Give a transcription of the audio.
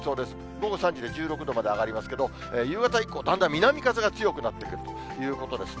午後３時で１６度まで上がりますけど、夕方以降、だんだん南風が強くなってくるということですね。